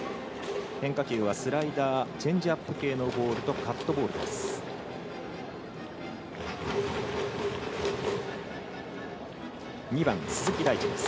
変化球はスライダーチェンジアップ系のボールとカットボールです。